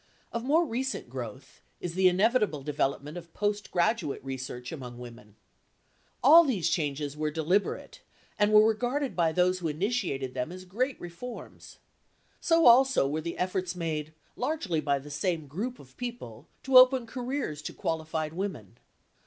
Of more recent growth is the inevitable development of postgraduate research among women. All these changes were deliberate and were regarded by those who initiated them as great reforms. So also were the efforts made, largely by the same group of people, to open careers to qualified women.